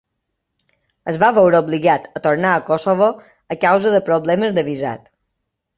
Es va veure obligat a tornar a Kosovo a causa de problemes de visat.